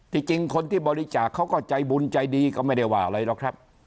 จริงคนที่บริจาคเขาก็ใจบุญใจดีก็ไม่ได้ว่าอะไรหรอกครับ